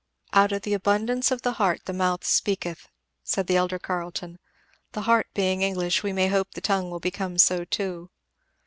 "Out of the abundance of the heart the mouth speaketh," said the elder Carleton. "The heart being English, we may hope the tongue will become so too."